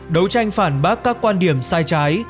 đấu tranh phản bác các quan điểm sai trái